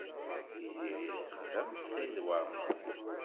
Tiziri tessexdem Saɛid Waɛmaṛ.